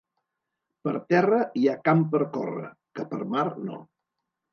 Per terra hi ha camp per córrer, que per mar, no.